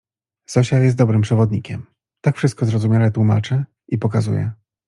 Zosia jest dobrym przewodnikiem: tak wszystko zrozumiale tłumaczy i pokazuje.